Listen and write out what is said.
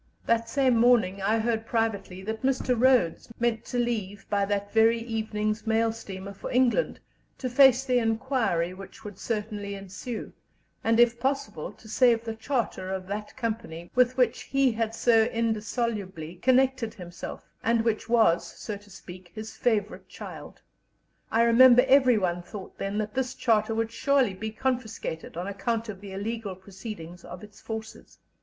The same morning I heard privately that Mr. Rhodes meant to leave by that very evening's mail steamer for England, to face the inquiry which would certainly ensue, and, if possible, to save the Charter of that Company with which he had so indissolubly connected himself, and which was, so to speak, his favourite child. I remember everyone thought then that this Charter would surely be confiscated, on account of the illegal proceedings of its forces.